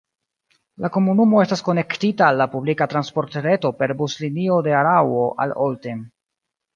La komunumo estas konektita al la publika transportreto per buslinio de Araŭo al Olten.